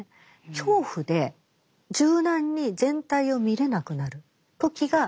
恐怖で柔軟に全体を見れなくなる時がチャンスなんです。